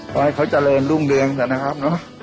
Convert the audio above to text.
ขอให้เขาเจริญรุ่งเรืองกันนะครับ